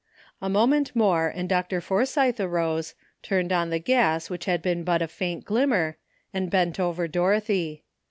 A moment more and Dr. Forsythe arose, turned on the gas, which had been but a faint glimmer, and bent over Dorothy.